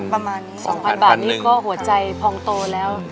๒๐๐๐บาทนี่ก็หัวใจพองโตแล้ว